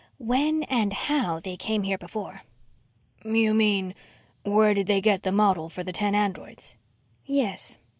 "When and how they came here before." "You mean, where did they get the model for the ten androids?" "Yes.